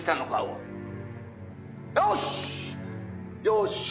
よし！